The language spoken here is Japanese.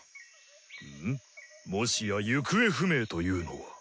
ムゥもしや行方不明というのは。